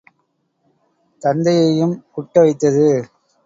தந்தையையும் குட்ட வைத்தது.